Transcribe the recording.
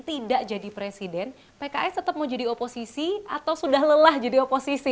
tidak jadi presiden pks tetap mau jadi oposisi atau sudah lelah jadi oposisi